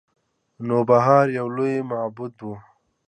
نوبهار یو لوی معبد و